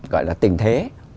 gọi là tình thế